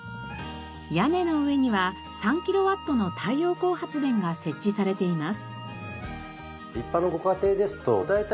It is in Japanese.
屋根の上には３キロワットの太陽光発電が設置されています。